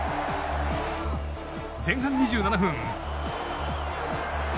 前半２７分。